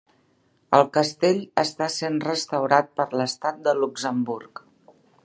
El castell està sent restaurat per l'Estat de Luxemburg.